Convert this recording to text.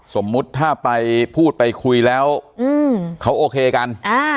สมมุติถ้าไปพูดไปคุยแล้วเขาโอเคกันอ่า